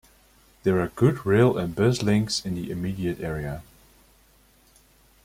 There are good rail and bus links in the immediate area.